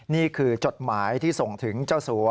นี่คือจดหมายที่ส่งถึงเจ้าสัว